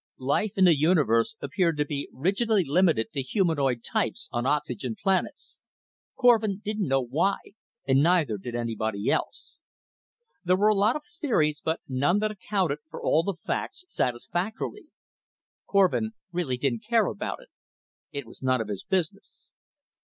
Life in the universe appeared to be rigidly limited to humanoid types on oxygen planets; Korvin didn't know why, and neither did anybody else. There were a lot of theories, but none that accounted for all the facts satisfactorily. Korvin really didn't care about it; it was none of his business.